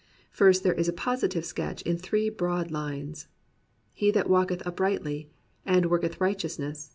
First there is a positive sketch in three broad lines: He that walketh uprightly, And worketh righteousness.